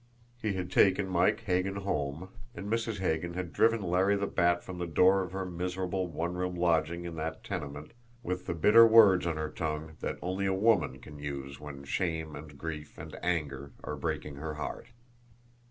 He had taken Mike Hagan home and Mrs. Hagan had driven Larry the Bat from the door of her miserable one room lodging in that tenement with the bitter words on her tongue that only a woman can use when shame and grief and anger are breaking her heart.